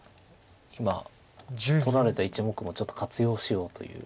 今取られた１目もちょっと活用しようという。